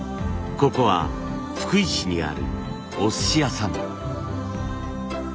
ここは福井市にあるおすし屋さん。